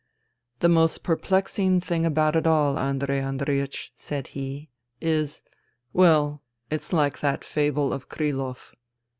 " The most perplexing thing about it all, Andrei Andreiech," said he, "is ... well, it's like that fable of Krilov."